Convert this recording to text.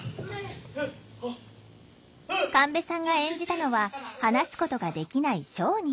神戸さんが演じたのは話すことができない商人。